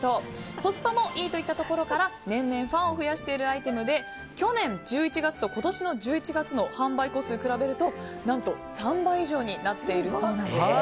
コスパもいいといったところから年々ファンを増やしているアイテムで去年１１月と今年の１１月の販売個数を比べると何と３倍以上になっているそうなんです。